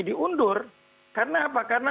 diundur karena apa karena